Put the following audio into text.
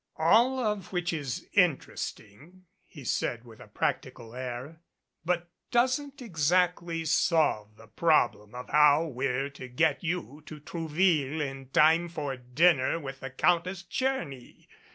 "All of which is interesting," he said with a practical air, "but doesn't exactly solve the problem of how we're to get you to Trou ville in time for dinner with the Countess Tcherny."